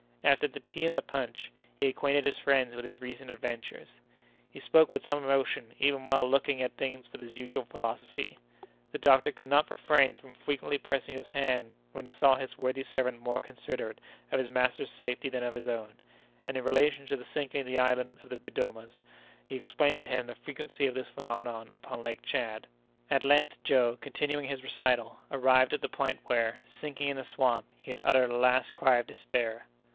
After the tea and the punch, he acquainted his friends with his recent adventures. He spoke with some emotion, even while looking at things with his usual philosophy. The doctor could not refrain from frequently pressing his hand when he saw his worthy servant more considerate of his master's safety than of his own, and, in relation to the sinking of the island of the Biddiomahs, he explained to him the frequency of this phenomenon upon Lake Tchad. At length Joe, continuing his recital, arrived at the point where, sinking in the swamp, he had uttered a last cry of despair.